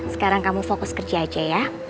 sekarang kamu fokus kerja aja ya